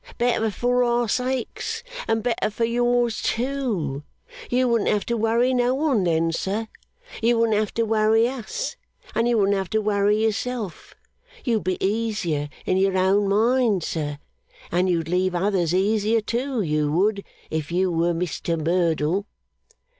Better for our sakes, and better for yours, too. You wouldn't have to worry no one, then, sir. You wouldn't have to worry us, and you wouldn't have to worry yourself. You'd be easier in your own mind, sir, and you'd leave others easier, too, you would, if you were Mr Merdle.